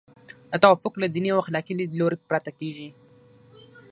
دا توافق له دیني او اخلاقي لیدلوري پرته کیږي.